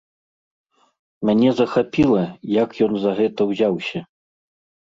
Мяне захапіла, як ён за гэта ўзяўся.